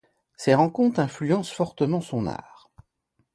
Ces rencontres influencent fortement son art.